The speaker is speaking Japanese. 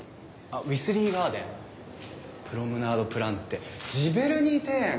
ウィスリーガーデンプロムナードプランテジヴェルニー庭園！